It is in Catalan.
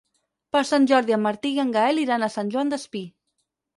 Per Sant Jordi en Martí i en Gaël iran a Sant Joan Despí.